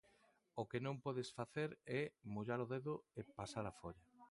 O que non podes facer é mollar o dedo e pasar a folla.